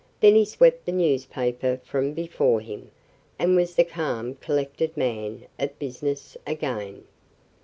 Then he swept the newspaper from before him, and was the calm, collected man of business again.